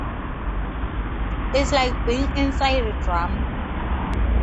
It's like being inside a drum.